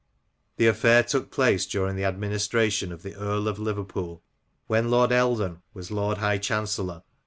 The affair took place during the adminis tration of the Earl of Liverpool, when Lord Eldon was 1 Good God, sir